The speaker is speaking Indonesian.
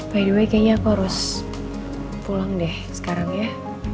by the way kayaknya aku harus pulang deh sekarang ya